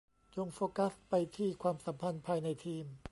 จงโฟกัสไปที่ความสัมพันธ์ภายในทีม